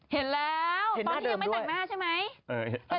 เห็นแล้วตอนที่ยังไม่แต่งหน้าใช่ไหม